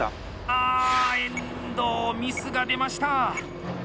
あ、遠藤ミスが出ました！